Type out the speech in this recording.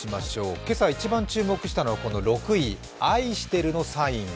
今朝一番注目したのは、この６位、愛してるのサイン。